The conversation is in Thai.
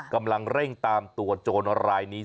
กำลังเร่งตามตัวโจรรายนี้